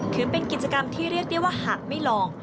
ถือเป็นกิจกรรมที่เรียกได้ว่าหากไม่ลอง